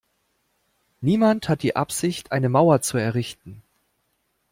Niemand hat die Absicht eine Mauer zu errichten.